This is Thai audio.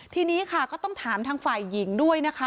ทีนี้ค่ะก็ต้องถามทางฝ่ายหญิงด้วยนะคะ